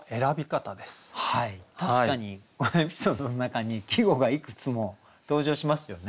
確かにこのエピソードの中に季語がいくつも登場しますよね。